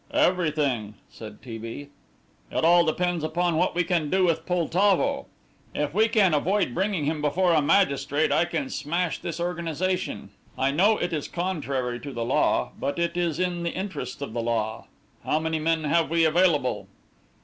"Everything," said T. B.; "it all depends upon what we can do with Poltavo. If we can avoid bringing him before a magistrate, I can smash this organization. I know it is contrary to the law, but it is in the interests of the law. How many men have we available?"